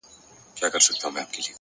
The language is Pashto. هره ورځ نوې فرصت دی.